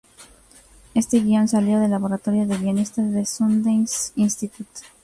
Este guion salió del Laboratorio de Guionistas de Sundance Institute.